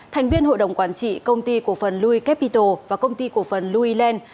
thành viên hội đồng quản trị công ty cổ phần louis capital và công ty cổ phần louis land